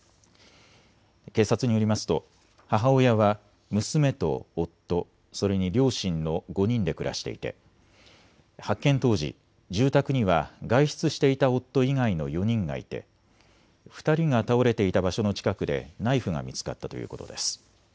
警察によりますと母親は娘と夫、それに両親の５人で暮らしていて発見当時、住宅には外出していた夫以外の４人がいて２人が倒れていた場所の近くでナイフが見つかったということです。